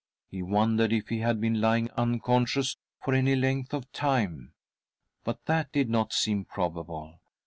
He wondered if he had been lying unconscious for any length of time — but that did not' seem probable.